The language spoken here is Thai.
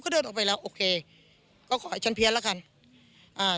เดินออกไปแล้วโอเคก็ขอให้ฉันเพี้ยนแล้วกันอ่า